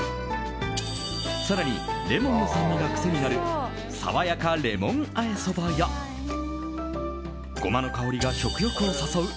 更にレモンの酸味が癖になる爽やかレモン和えそばやゴマの香りが食欲を誘う